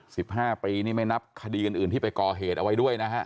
สิบห้าปีนี่ไม่นับคดีอื่นอื่นที่ไปก่อเหตุเอาไว้ด้วยนะฮะ